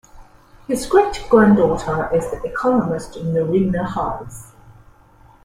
His great granddaughter is the economist Noreena Hertz.